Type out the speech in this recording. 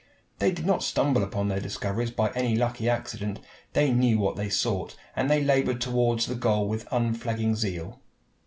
They did not stumble upon their discoveries by any lucky accident. They knew what they sought, and they labored toward the goal with unflagging zeal.